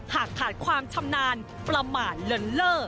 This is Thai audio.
หากขาดความชำนาญประหมาตเร่อ